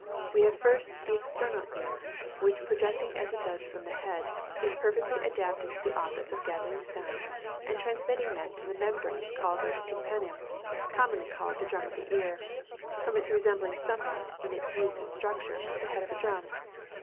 We have first the external ear, which projecting as it does from the head, is perfectly adapted to the office of gathering sounds, and transmitting them to the membrane of the tympanum, commonly called the drum of the ear, from its resembling somewhat, in its use and structure, the head of a drum.